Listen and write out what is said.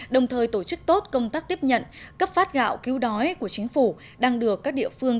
đồng thời tổ chức tốt công tác tiếp nhận cấp phát gạo cứu đói của chính phủ đang được các địa phương